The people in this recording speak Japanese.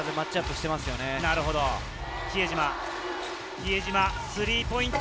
比江島のスリーポイント。